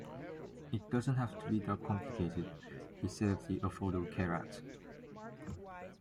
It doesn't have to be that complicated, he said of the Affordable Care Act.